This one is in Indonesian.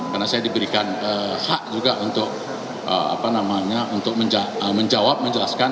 karena saya diberikan hak juga untuk menjawab menjelaskan